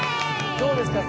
どうですか？